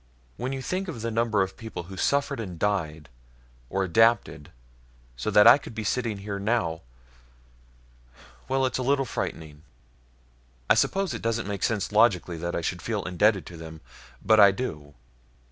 When you think of the number of people who suffered and died or adapted so that I could be sitting here now ... well, it's a little frightening. I suppose it doesn't make sense logically that I should feel indebted to them. But I do.